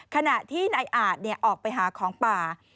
ขณะที่นายอาจออกไปหาของป่า